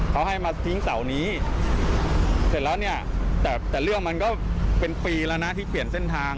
เขาให้มาทิ้งเสานี้เสร็จแล้วเนี่ยแต่เรื่องมันก็เป็นปีแล้วนะที่เปลี่ยนเส้นทาง